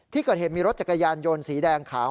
ที่เกิดเหตุมีรถจักรยานยนต์สีแดงขาว